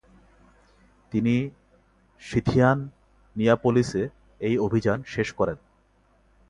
তিনি সিথিয়ান নিয়াপোলিসে এই অভিযান শেষ করেন।